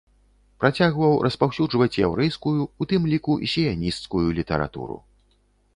Працягваў распаўсюджваць яўрэйскую, у тым ліку сіянісцкую, літаратуру.